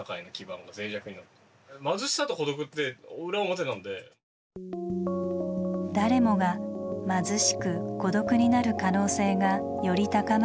「誰もが貧しく孤独になる可能性」がより高まるコロナ禍の今。